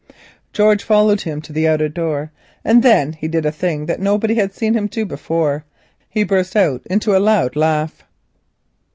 George followed him to the outer door and then did a thing that nobody had seen him do before; he burst out into a loud laugh.